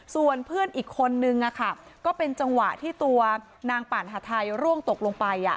ส่วนเพื่อนอีกคนนึงก็เป็นจังหวะที่ตัวนางปั่นหาไทยร่วงตกลงไป